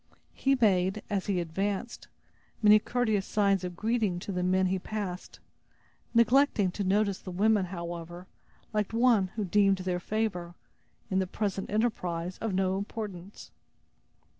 He made, as he advanced, many courteous signs of greeting to the men he passed, neglecting to notice the women, however, like one who deemed their favor, in the present enterprise, of no importance.